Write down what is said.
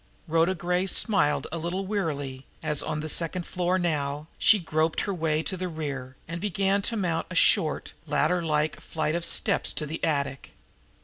Rhoda Gray smiled a little wearily, as, on the second floor now, she groped her way to the rear, and began to mount a short, ladder like flight of steps to the attic.